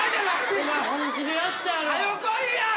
お前本気でやったやろ。